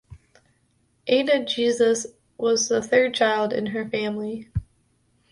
Ada Jesus was the third child in her family.